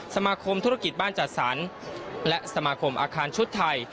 สมาคมธุรกิจบ้านจัดสรรและสมาคมอาคารชุดไทย